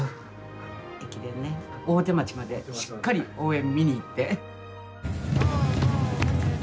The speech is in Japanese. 駅伝ね、追手町までしっかり応援見に行って。